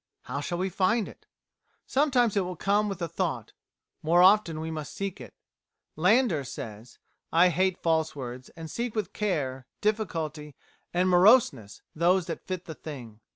How shall we find it? Sometimes it will come with the thought; more often we must seek it. Landor says: "I hate false words, and seek with care, difficulty, and moroseness those that fit the thing."